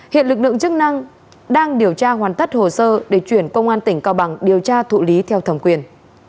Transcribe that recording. hiện lực lượng chức năng đang điều tra hoàn tất hồ sơ để chuyển công an tỉnh cao bằng điều tra thụ lý theo thẩm quyền